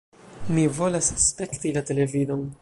"Mi volas spekti la televidon!"